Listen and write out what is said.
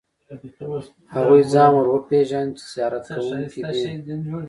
هغوی ځان ور وپېژاند چې زیارت کوونکي دي.